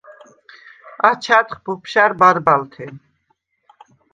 აჩა̈დხ ბოფშა̈რ ბარბალთე.